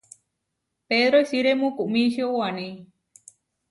Pedro isiré mukumičio waní.